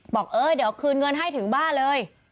บอกเออเดี๋ยวคืนเงินให้ถึงบ้านเลย